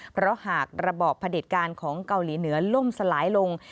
เพราะหากระบอบผลิตการของเกาหลีเหนือล่มสลายลง